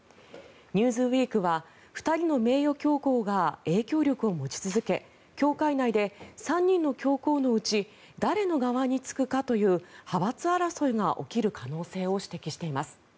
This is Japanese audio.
「ニューズウィーク」は２人の名誉教皇が影響力を持ち続け教会内で３人の教皇のうち誰の側につくかという派閥争いが起きる可能性を指摘しています。